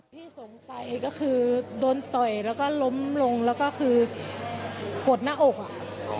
ที่สงสัยก็คือโดนต่อยแล้วก็ล้มลงแล้วก็คือกดหน้าอกอ่ะ